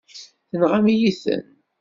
Tenɣam-iyi-ten.